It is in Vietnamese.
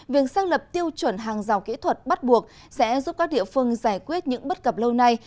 việc xác lập tiêu chuẩn hàng rào kỹ thuật bắt buộc sẽ giúp các địa phương giải quyết những bất cập lâu nay